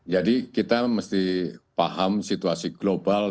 jadi kita mesti paham situasi global dan global